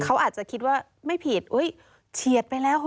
เขาอาจจะคิดว่าไม่ผิดเชียดไปแล้ว